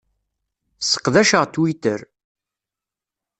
Sseqdaceɣ Twitter.